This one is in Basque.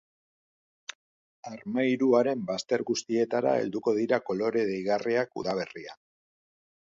Armairuaren bazter guztietara helduko dira kolore deigarriak udaberrian.